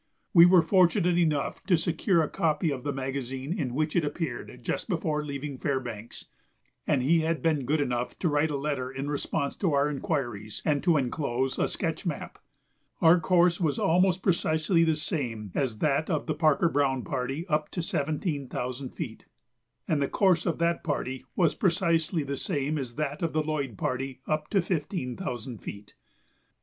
We were fortunate enough to secure a copy of the magazine in which it appeared just before leaving Fairbanks, and he had been good enough to write a letter in response to our inquiries and to enclose a sketch map. Our course was almost precisely the same as that of the Parker Browne party up to seventeen thousand feet, and the course of that party was precisely the same as that of the Lloyd party up to fifteen thousand feet.